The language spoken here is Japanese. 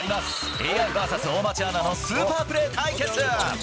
ＡＩｖｓ大町アナのスーパープレー対決。